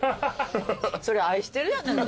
それ愛してるやねんで。